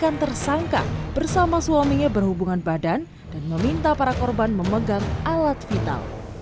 dan tersangka bersama suaminya berhubungan badan dan meminta para korban memegang alat vital